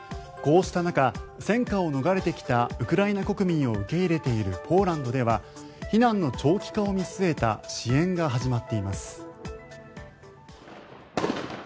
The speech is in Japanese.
こうした中戦火を逃れてきたウクライナ国民を受け入れているポーランドでは避難の長期化を見据えた支援が始まっています。